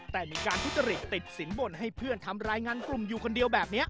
แต่มีการทุจริตติดสินบนให้เพื่อนทำรายงานกลุ่มอยู่คนเดียวแบบนี้